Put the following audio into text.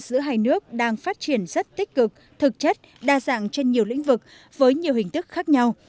giữa hai nước đang phát triển rất tích cực thực chất đa dạng trên nhiều lĩnh vực với nhiều hình thức khác nhau